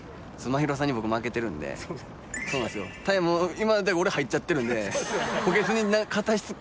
今で俺入っちゃってるんで。